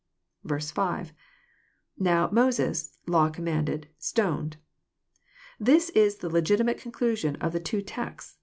5. — INow Mose8...laio commanded.. Moned.] This is the legitimate conclusion of the two texts.